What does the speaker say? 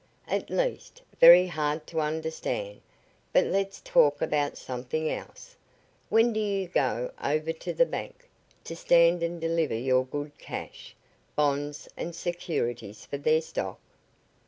At least very hard to understand. But let's talk about something else. When do you go over to the bank, to stand and deliver your good cash, bonds and securities for their stock?"